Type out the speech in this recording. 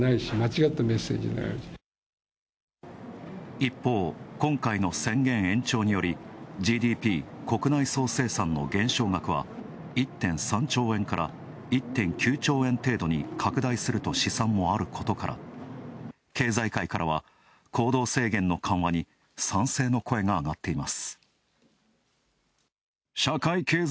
一方、今回の宣言延長によりＧＤＰ＝国内総生産の減少額は１．３兆円から１．９兆円程度に拡大すると試算もあることから経済界からは行動制限の緩和に賛成の声が上がっています。